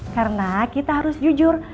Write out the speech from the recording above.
karena kita harus jujur